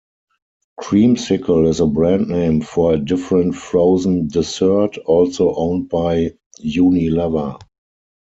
Creamsicle is a brand name for a different frozen dessert also owned by Unilever.